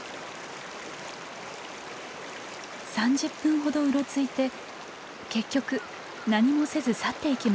３０分ほどうろついて結局何もせず去っていきました。